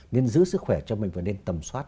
nên giữ sức khỏe cho mình phải nên tầm soát